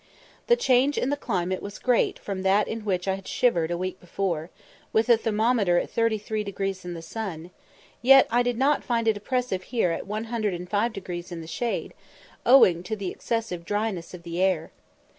The change in the climate was great from that in which I had shivered a week before, with a thermometer at 33° in the sun; yet I did not find it oppressive here at 105° in the shade, owing to the excessive dryness of the air.